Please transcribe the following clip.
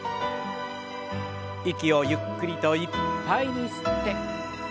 息をゆっくりといっぱいに吸って。